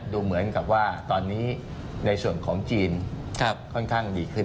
ดูเหมือนกับว่าตอนนี้ในส่วนของจีนค่อนข้างดีขึ้น